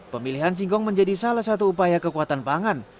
pemilihan singkong menjadi salah satu upaya kekuatan pangan